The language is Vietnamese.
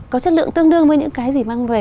có chất lượng tương đương với những cái gì mang về